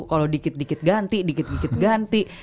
kalau dikit dikit ganti dikit dikit ganti